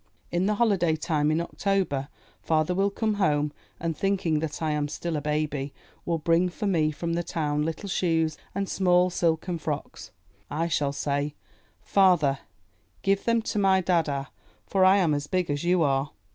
In the holiday time in October father will come home and, thinking that I am still a baby, will bring for me from the town little shoes and small silken frocks. I shall say, "Father, give them to my dada, for I am as big as you are."